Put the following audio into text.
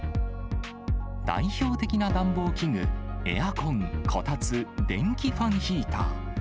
代表的な暖房器具、エアコン、こたつ、電気ファンヒーター。